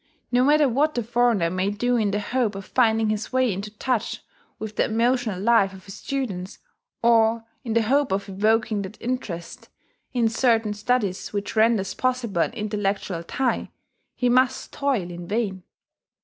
No matter what the foreigner may do in the hope of finding his way into touch with the emotional life of his students, or in the hope of evoking that interest in certain studies which renders possible an intellectual tie, he must toil in vain.